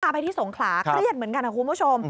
ไปที่สงขลาเขาเรียกเหมือนกันนะครับคุณผู้ชม